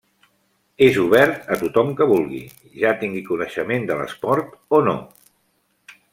És obert a tothom que vulgui, ja tingui coneixement de l'esport o no.